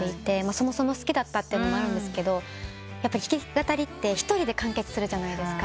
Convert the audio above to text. そもそも好きだったってのもあるんですけど弾き語りって一人で完結するじゃないですか。